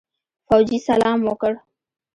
فوجي سلام وکړ.